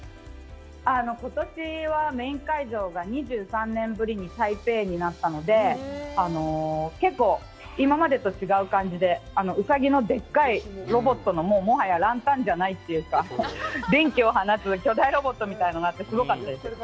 ことしはメイン会場が２３年ぶりに台北になったので、結構今までと違う感じで、ウサギのでっかいロボットの、もはやランタンじゃないというか、電気を放つ巨大ロボットになって、すごかったです。